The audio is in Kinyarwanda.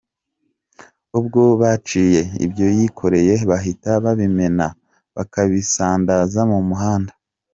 Uwo bacakiye, ibyo yikoreye bahita babimena bakabisandaza mu muhanda.